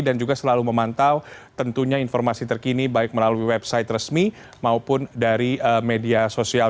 dan juga selalu memantau tentunya informasi terkini baik melalui website resmi maupun dari media sosial